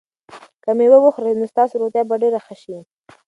که مېوه وخورئ نو ستاسو روغتیا به ډېره ښه شي.